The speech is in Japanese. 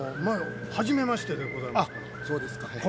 あっそうですか。